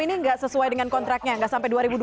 ini nggak sesuai dengan kontraknya nggak sampai